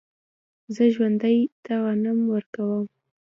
زه ژرندې ته غنم وړم.